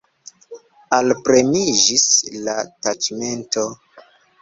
Alpremiĝis la taĉmento.